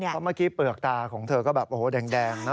เพราะเมื่อกี้เปลือกตาของเธอก็แบบโอ้โหแดงนะ